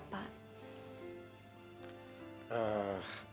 itu bukan salah bapak